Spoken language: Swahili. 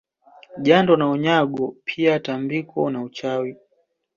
Jando na Unyago pia tambiko na uchawi